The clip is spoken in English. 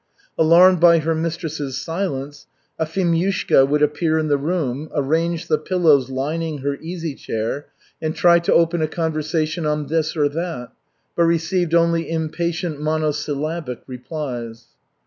Alarmed by her mistress's silence, Afimyushka would appear in the room, arrange the pillows lining her easy chair, and try to open a conversation on this or that, but received only impatient monosyllabic replies.